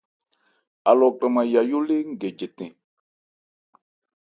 Alɔ kranman Yayó lée ń gɛ jɛtɛ̂n.